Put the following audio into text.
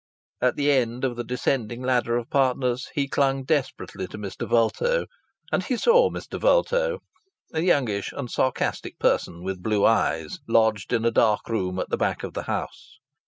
At the end of the descending ladder of partners he clung desperately to Mr. Vulto, and he saw Mr. Vulto a youngish and sarcastic person with blue eyes, lodged in a dark room at the back of the house.